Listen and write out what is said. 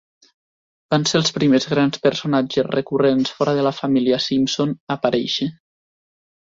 Van ser els primers grans personatges recurrents fora de la família Simpson a aparèixer.